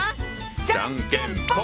じゃんけんぽん！